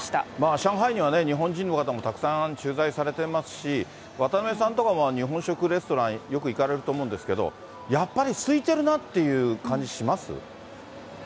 上海には日本人の方もたくさん駐在されてますし、渡辺さんとかも日本食レストラン、よく行かれると思うんですけど、やっぱり空いてるなっていう感じします？